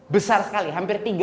besar sekali hampir